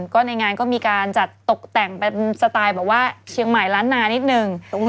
ก็ในงานก็มีการจัดตกแต่งเป็นสไตล์แบบว่าเชียงใหม่ล้านนานิดนึง